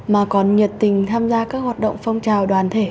mà còn nhiệt tình tham gia các hoạt động phong trào đoàn thể